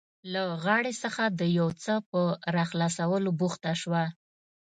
له غاړې څخه د یو څه په راخلاصولو بوخته شوه.